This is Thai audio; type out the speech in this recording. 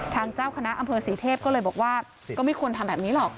เจ้าคณะอำเภอศรีเทพก็เลยบอกว่าก็ไม่ควรทำแบบนี้หรอก